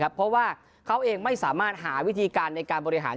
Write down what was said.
เพราะว่าเขาเองไม่สามารถหาวิธีการในการบริหาร